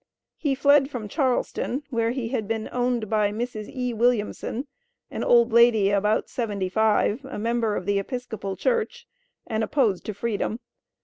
He fled from Charleston, where he had been owned by Mrs. E. Williamson, an old lady about seventy five, a member of the Episcopal Church, and opposed to Freedom.